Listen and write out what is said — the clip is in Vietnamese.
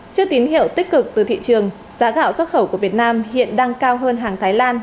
trước tín hiệu tích cực từ thị trường giá gạo xuất khẩu của việt nam hiện đang cao hơn hàng thái lan